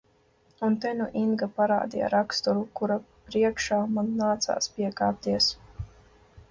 Un te nu Inga parādīja raksturu, kura priekšā man nācās piekāpties.